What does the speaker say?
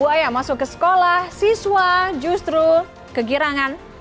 buaya masuk ke sekolah siswa justru kegirangan